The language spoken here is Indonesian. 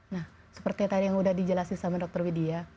nah seperti yang tadi sudah dijelaskan oleh dr widia